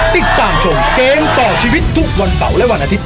ติดตามชมเกมต่อชีวิตทุกวันเสาร์และวันอาทิตย